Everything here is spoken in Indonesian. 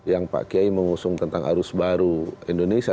yang pak kiai mengusung tentang arus baru indonesia